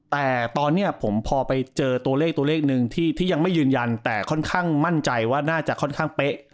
แต่ตอนนี้ผมพอไปเจอตัวเลขตัวเลขหนึ่งที่ยังไม่ยืนยันแต่ค่อนข้างมั่นใจว่าน่าจะค่อนข้างเป๊ะ